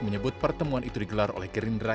menyebut pertemuan itu digelar oleh gerindra